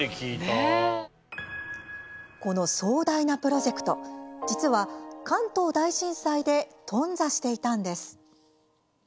この壮大なプロジェクト実は、関東大震災で頓挫してしたんです。